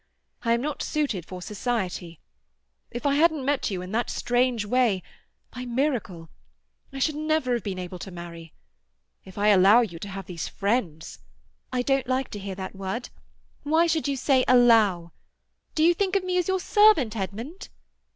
I am not suited for society. If I hadn't met you in that strange way, by miracle, I should never have been able to marry. If I allow you to have these friends—" "I don't like to hear that word. Why should you say allow? Do you think of me as your servant, Edmund?"